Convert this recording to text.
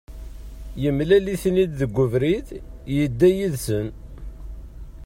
Yemlal-iten-id deg ubrid, yedda yid-sen.